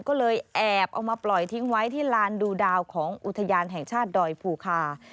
ก็เลยแอบเอามาปล่อยทิ้งไว้ที่ลานดูดาวของอุทยานแห่งชาติดอยภูคา